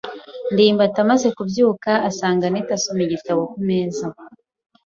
ndimbati amaze kubyuka, asanga anet asoma igitabo ku meza.